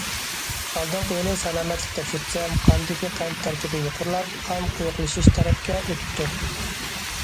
ئالدىنقى يىلى سالامەتلىك تەكشۈرتسەم، قاندىكى قەنت تەركىبى يۇقىرىلاپ، قان قويۇقلىشىش تەرەپكە ئۆتۈپتۇ.